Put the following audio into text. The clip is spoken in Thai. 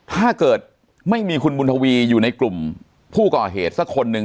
ถ้าเกิดไม่มีคุณบุญทวีอยู่ในกลุ่มผู้ก่อเหตุสักคนหนึ่ง